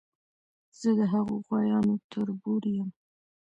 زه د هغو غوایانو تربور یم.